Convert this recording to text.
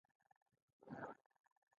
دوی د نړۍ په میراث کې ثبت دي.